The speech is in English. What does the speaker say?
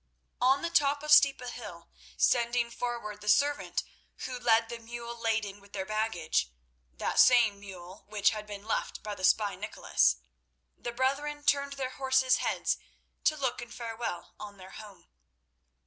On the top of Steeple Hill, sending forward the servant who led the mule laden with their baggage—that same mule which had been left by the spy Nicholas—the brethren turned their horses' heads to look in farewell on their home.